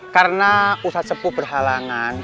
karena ustadz sepuh berhalangan